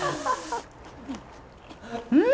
うん！